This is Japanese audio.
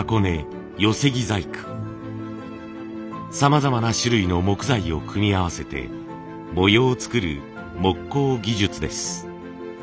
さまざまな種類の木材を組み合わせて模様を作る木工技術です。